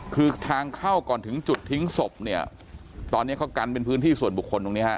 คือทางเข้าก่อนถึงจุดทิ้งศพเนี่ยตอนนี้เขากันเป็นพื้นที่ส่วนบุคคลตรงนี้ฮะ